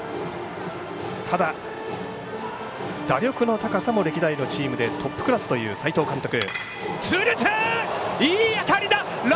ただ打力の高さも歴代のチームでトップクラスという斎藤監督。